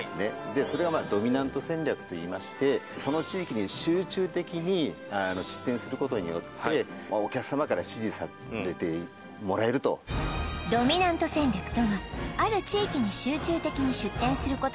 でそれはまあドミナント戦略といいましてその地域に集中的に出店することによってお客様から支持してもらえるとドミナント戦略とはある地域に集中的に出店することで